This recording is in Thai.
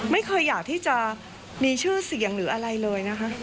ไม่เคยอยากที่จะมีชื่อเสียงหรืออะไรเลยนะคะ